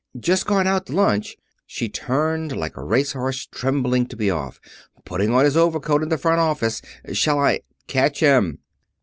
"Just going out to lunch," she turned like a race horse trembling to be off, "putting on his overcoat in the front office. Shall I " "Catch him."